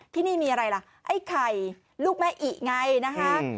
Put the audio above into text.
ที่นี่มีอะไรล่ะไอ้ไข่ลูกแม่อิไงนะคะ